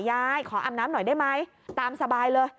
ยายขออาบน้ำหน่อยได้ไหมตามสบายเลย